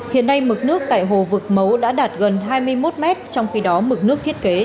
hiện nay mực nước tại hồ vực mấu đã đạt gần hai mươi một mét trong khi đó mực nước thiết kế